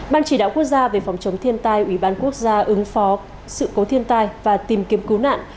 ban chỉ đạo quốc gia về phòng chống thiên tai ủy ban quốc gia ứng phó sự cố thiên tai và tìm kiếm cứu nạn